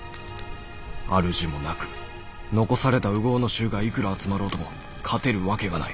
主もなく残された烏合の衆がいくら集まろうとも勝てるわけがない。